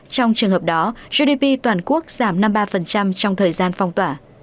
trong trường hợp đó gdp toàn quốc giảm năm mươi ba trong thời gian phong tỏa